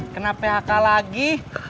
kena phk lagi